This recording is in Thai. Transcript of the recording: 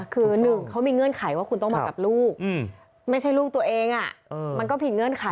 คือหนึ่งเขามีเงื่อนไขว่าคุณต้องมากับลูกไม่ใช่ลูกตัวเองมันก็ผิดเงื่อนไข